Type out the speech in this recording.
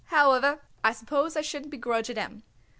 However, I suppose I shouldn't begrudge it 'em.